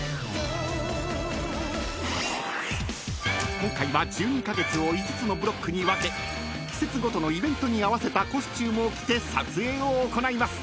［今回は１２カ月を５つのブロックに分け季節ごとのイベントに合わせたコスチュームを着て撮影を行います。